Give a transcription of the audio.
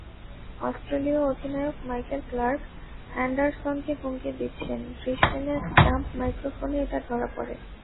অস্ট্রেলীয় অধিনায়ক Michael Clarke অ্যান্ডারসনকে হুমকি দিচ্ছেন—ব্রিসবেনে স্টাম্প মাইক্রোফোনে এটা ধরা পড়ে।